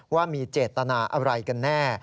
ว่ามีเจตนาอะไรกันแน่